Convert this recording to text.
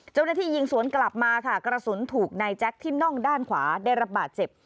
เจ้าหน้าที่ยิงสวนกลับมาค่ะกระสุนถูกนายแจ็คที่น่องด้านขวาได้รับบาดเจ็บ